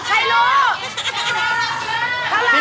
เกียร์หมอ